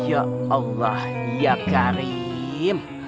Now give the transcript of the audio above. ya allah ya karim